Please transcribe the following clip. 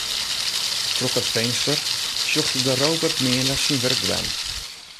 Troch it finster sjoch ik de robotmeaner syn wurk dwaan.